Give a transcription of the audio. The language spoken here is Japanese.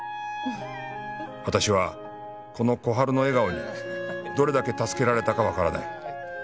私はこの小春の笑顔にどれだけ助けられたかわからない